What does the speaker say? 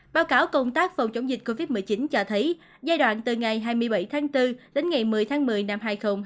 báo cáo công tác phòng chống dịch covid một mươi chín cho thấy giai đoạn từ ngày hai mươi bảy tháng bốn đến ngày một mươi tháng một mươi năm hai nghìn hai mươi